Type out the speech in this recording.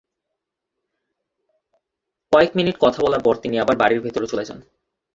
কয়েক মিনিট কথা বলার পর তিনি আবার বাড়ির ভেতরে চলে যান।